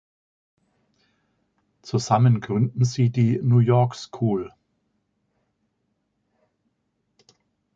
Zusammen gründen sie die „New York School“.